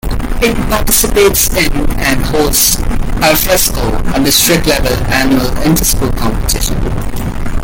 It participates in, and hosts "Alfresco", a district level annual inter-school competition.